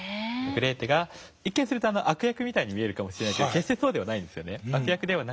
グレーテが一見すると悪役みたいに見えるかもしれないけど決してそうではないんですよね。